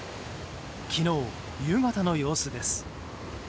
昨日、夕方の様子です。